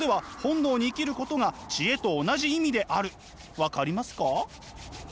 分かりますか？